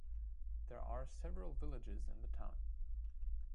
There are several villages in the town.